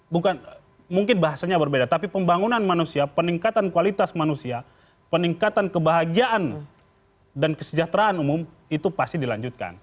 bukan mungkin bahasanya berbeda tapi pembangunan manusia peningkatan kualitas manusia peningkatan kebahagiaan dan kesejahteraan umum itu pasti dilanjutkan